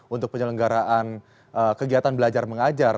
untuk penyelenggaraan kegiatan belajar mengajar